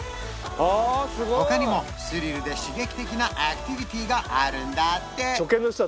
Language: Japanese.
他にもスリルで刺激的なアクティビティがあるんだって